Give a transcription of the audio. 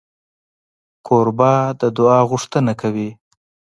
کوربه د دعا غوښتنه کوي.